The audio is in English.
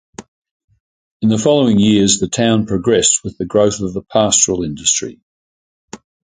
In the following years the town progressed with the growth of the pastoral industry.